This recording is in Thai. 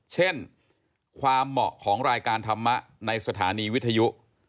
เช่นความเหมาะของรายการธรรมะในสถานีวิทยุ